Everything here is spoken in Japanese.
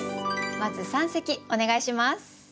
まず三席お願いします。